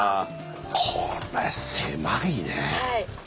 これ狭いね。